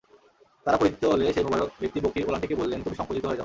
তারা পরিতৃপ্ত হলে সেই মুবারক ব্যক্তি বকরীর ওলানটিকে বললেন, তুমি সংকুচিত হয়ে যাও।